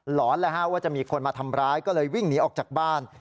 หอนว่าจะมีคนมาทำร้ายก็เลยวิ่งหนีออกจากบ้าน